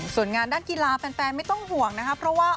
ส่วนงานด้านกีฬาแฟนไม่ต้องห่วงนะคะ